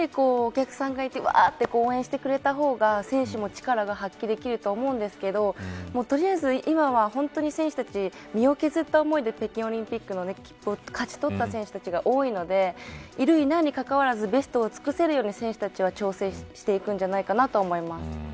お客さんがいてうわっと応援してくれた方が選手も力が発揮できると思うんですけど取りあえず、今は選手たち、身を削った思いで北京オリンピックの切符を勝ち取った選手たちが多いのでいる、いないに関わらずベストを尽くせるように選手たちは調整していくんじゃないかなと思います。